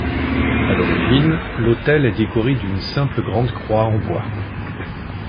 À l'origine l'autel est décoré d’une simple grande croix en bois.